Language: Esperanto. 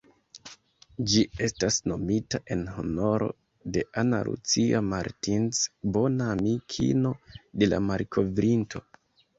Ĝi estis nomita en honoro de "Ana Lucia Martins", bona amikino de la malkovrinto.